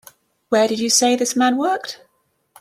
Where did you say this man worked?